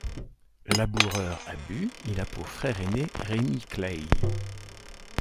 Laboureur à Bû, il a pour frère aîné Rémy Claye.